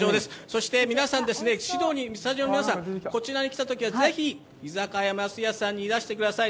そしてスタジオの皆さん、こちらに来たときはぜひ居酒屋ますやさんにいらしてください！